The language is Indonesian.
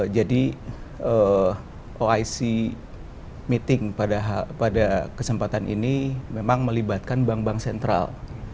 jadi oic meeting pada kesempatan ini memang melibatkan bank bank sentral